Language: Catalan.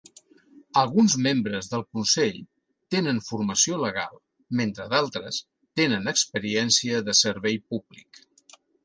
Alguns membres del consell tenen formació legal mentre d'altres tenen experiència de servei públic.